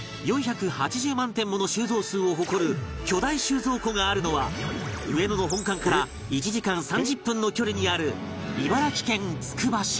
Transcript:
４８０万点もの収蔵数を誇る巨大収蔵庫があるのは上野の本館から１時間３０分の距離にある茨城県つくば市